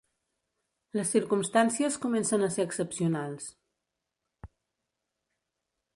Les circumstàncies comencen a ser excepcionals.